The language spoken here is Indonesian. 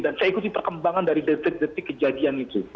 saya ikuti perkembangan dari detik detik kejadian itu